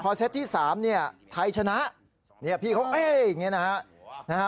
พอเซ็ตที่๓ไทยชนะพี่เขาเฮ้ยอย่างนี้นะ